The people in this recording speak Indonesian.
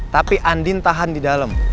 tapi andin tahan di dalam